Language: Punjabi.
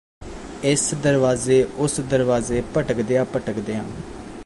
ਇਸ ਦਰਵਾਜ਼ੇ ਉਸ ਦਰਵਾਜ਼ੇ ਭਟਕਦਿਆਂ ਭਟਕਦਿਆਂ